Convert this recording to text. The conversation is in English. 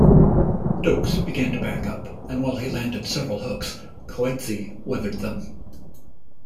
Dokes began to back up, and while he landed several hooks, Coetzee weathered them.